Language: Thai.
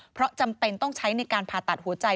เพราะจำเป็นต้องใช้ในการผ่าตัดหัวใจ